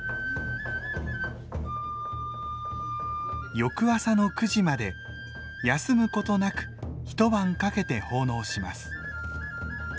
翌朝の９時まで休むことなく一晩かけて奉納します。